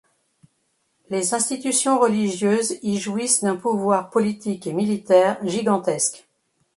Les institutions religieuses y jouissent d'un pouvoir politique et militaire gigantesque.